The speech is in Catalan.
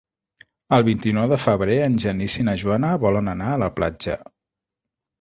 El vint-i-nou de febrer en Genís i na Joana volen anar a la platja.